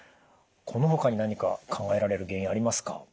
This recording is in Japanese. このほかに何か考えられる原因ありますか？